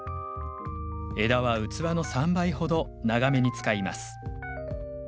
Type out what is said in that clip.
枝は器の３倍ほど長めに使います。